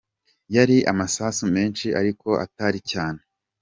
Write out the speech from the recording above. Yari amasasu menshi ariko atari cyane.